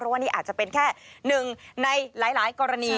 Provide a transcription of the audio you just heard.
ว่านี่อาจจะเป็นแค่หนึ่งในหลายกรณี